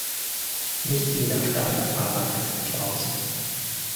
Nicht jeder Staplerfahrer heißt Klaus.